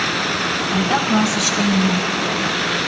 Айда классыш каена.